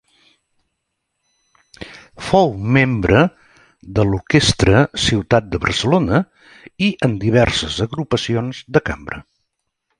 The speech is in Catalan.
Fou membre de l'Orquestra Ciutat de Barcelona i en diverses agrupacions de cambra.